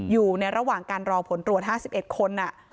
อยู่ในระหว่างการรอผลตรวจ๕๑คน